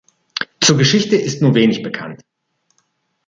Zur Geschichte ist nur wenig bekannt.